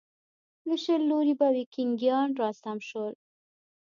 له شل لوري به ویکینګیان راسم شول.